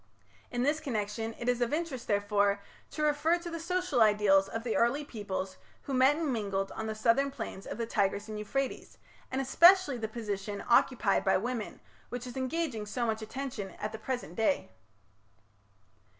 In this connection it is of interest, therefore, to refer to the social ideals of the early peoples who met and mingled on the southern plains of the Tigris and Euphrates, and especially the position occupied by women, which is engaging so much attention at the present day.